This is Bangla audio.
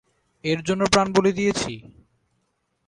এর জন্য প্রাণ বলি দিয়েছি!